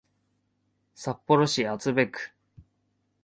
札幌市厚別区